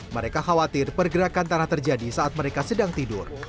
mereka khawatir pergerakan tanah terjadi saat mereka sedang tidur